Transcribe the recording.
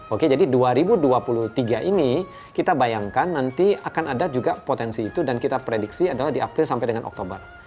oke jadi dua ribu dua puluh tiga ini kita bayangkan nanti akan ada juga potensi itu dan kita prediksi adalah di april sampai dengan oktober